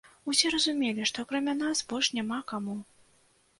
Усе разумелі, што акрамя нас больш няма каму.